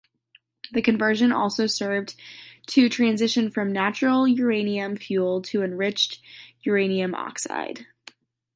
The conversion also served to transition from natural uranium fuel to enriched uranium oxide.